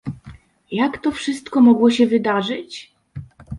Jak to wszystko mogło się wydarzyć?